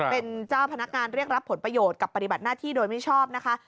เป็นเจ้าพนักงานเรียกรับผลประโยชน์กับปฏิบัติหน้าที่โดยมิชอบนะคะ